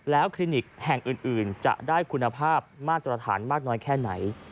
คลินิกแห่งอื่นจะได้คุณภาพมาตรฐานมากน้อยแค่ไหน